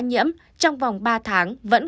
nhiễm trong vòng ba tháng vẫn